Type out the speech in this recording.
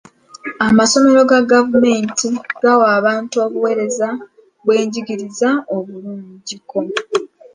Amasomero ga gavumenti gawa abantu obuweereza bw'enjigiriza obulungiko.